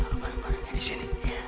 nolong bareng barengnya disini